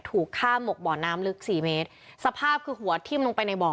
ถูกฆ่าหมกบ่อน้ำลึกสี่เมตรสภาพคือหัวทิ้มลงไปในบ่อ